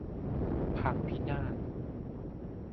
พังพินาศ